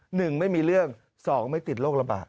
หนึ่งไม่มีเรื่องสองไม่ติดโรคระบาด